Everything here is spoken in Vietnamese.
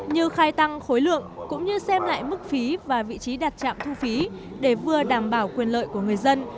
như khai tăng khối lượng cũng như xem lại mức phí và vị trí đặt trạm thu phí để vừa đảm bảo quyền lợi của người dân